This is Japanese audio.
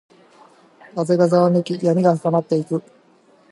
風がざわめき、闇が深まっていく。